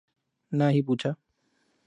نہ ہی پوچھا